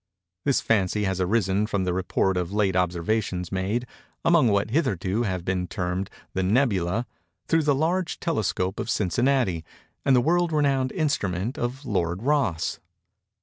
This fancy has arisen from the report of late observations made, among what hitherto have been termed the "nebulæ," through the large telescope of Cincinnati, and the world renowned instrument of Lord Rosse.